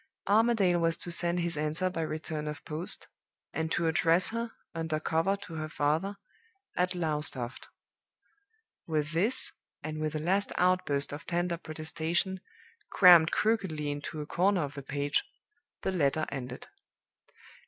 Armadale was to send his answer by return of post, and to address her, under cover to her father, at Lowestoft. With this, and with a last outburst of tender protestation, crammed crookedly into a corner of the page, the letter ended.